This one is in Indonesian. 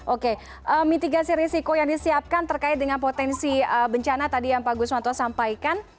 oke mitigasi risiko yang disiapkan terkait dengan potensi bencana tadi yang pak guswanto sampaikan